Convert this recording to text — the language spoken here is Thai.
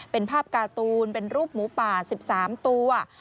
เป็นภาพการ์ตูนเป็นรูปหมูป่า๑๓ตัว